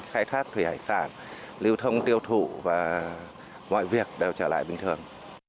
khai thác thủy hải sản lưu thông tiêu thụ và mọi việc đều trở lại bình thường